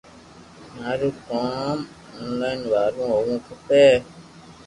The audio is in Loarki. مارو ڪوم اونلائن وارو ھووُہ کپي